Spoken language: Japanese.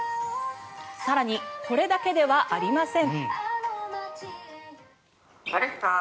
更に、これだけではありません。